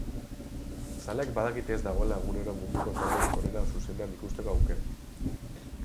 Zaleek badakite ez dagoela egunero munduko talderik onena zuzenean ikusteko aukera.